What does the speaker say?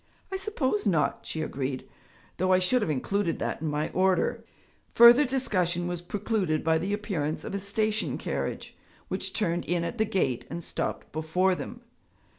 'I suppose not,' she agreed, 'though I should have included that in my order.' Further discussion was precluded by the appearance of a station carriage which turned in at the gate and stopped before them.